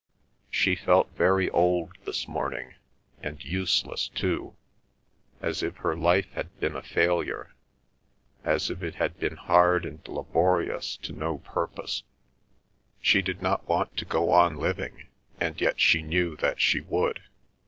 She felt very old this morning, and useless too, as if her life had been a failure, as if it had been hard and laborious to no purpose. She did not want to go on living, and yet she knew that she would.